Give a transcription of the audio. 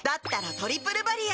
「トリプルバリア」